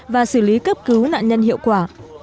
và xử lý cấp cứu nạn nhân hiệu quả